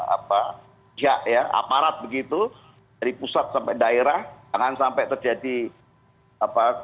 dan yang rasanya misalnya betapa j deformation dan venturitasinal life emails apa ya diperhatikan itu heel relatif di dua orte untuk juga kanunesement